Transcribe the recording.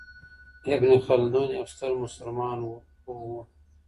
ابن خلدون یو ستر مسلمان پوه و.